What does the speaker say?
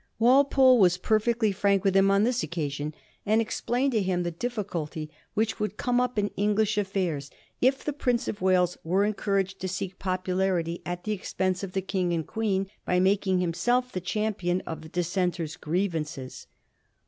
Walpole was perfectly frank with him on this occasion, and explained to him the diffi culty which would come up in English affairs if the Prince of Wales were encouraged to seek popularity at the ex pense of the King and Queen by making himself the cham pion of the Dissenters' grievances.